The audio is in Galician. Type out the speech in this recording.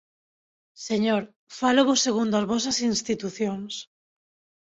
Señor, fálovos segundo as vosas institucións.